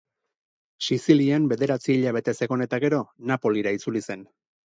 Sizilian bederatzi hilabetez egon eta gero, Napolira itzuli zen.